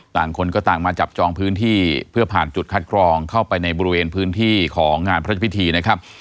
คนก็ต่างมาจับจองพื้นที่เพื่อผ่านจุดคัดกรองเข้าไปในบริเวณพื้นที่ของงานพระเจ้าพิธีนะครับ